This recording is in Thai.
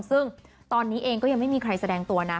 ซึ่งตอนนี้เองก็ยังไม่มีใครแสดงตัวนะ